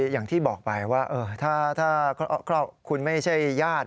อย่างที่บอกไปว่าถ้าคุณไม่ใช่ญาติ